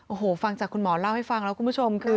โอ้โหฟังจากคุณหมอเล่าให้ฟังแล้วคุณผู้ชมคือ